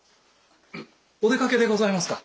お出かけでございますか？